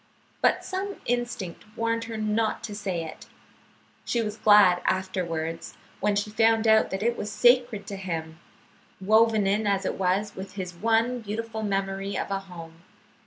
But some instinct warned her not to say it. She was glad afterwards, when she found that it was sacred to him, woven in as it was with his one beautiful memory of a home.